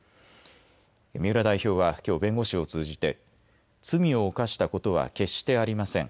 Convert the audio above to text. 三浦代表はきょう弁護士を通じて罪を犯したことは決してありません。